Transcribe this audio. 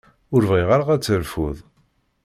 Ur bɣiɣ ara ad terfuḍ.